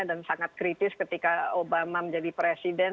sangat kritis ketika obama menjadi presiden